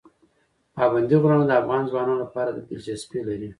پابندی غرونه د افغان ځوانانو لپاره دلچسپي لري.